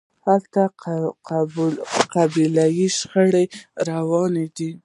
هلته قبیلوي شخړې روانې وي.